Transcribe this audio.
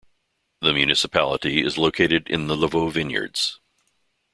The municipality is located in the Lavaux vineyards.